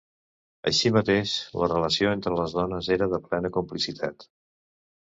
Així mateix, la relació entre les dones era de plena complicitat.